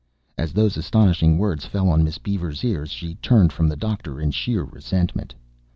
As those astonishing words fell on Miss Beaver's ears, she turned from the doctor in sheer resentment.